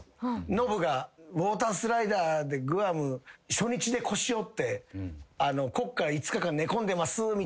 「ノブがウオータースライダーでグアム初日で腰を打って５日間寝込んでます」みたいな。